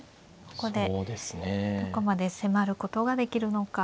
ここでどこまで迫ることができるのか。